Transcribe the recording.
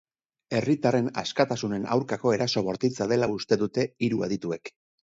Herritarren askatasunen aurkako eraso bortitza dela uste dute hiru adituek.